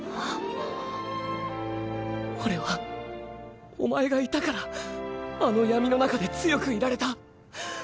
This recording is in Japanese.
俺はお前がいたからあの闇の中で強くいられた。